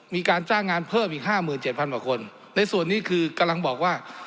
มีการจ้างงานเพิ่มอีกห้าหมื่นเจ็ดพันกว่าคนในส่วนนี้คือกำลังบอกว่า